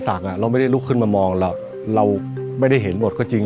สักอ่ะเราไม่ได้ลุกขึ้นมามองหรอกเราไม่ได้เห็นหมดก็จริง